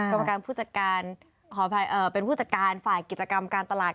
กรรมการผู้จัดการขออภัยเป็นผู้จัดการฝ่ายกิจกรรมการตลาด